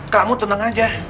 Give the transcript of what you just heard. kamu tenang aja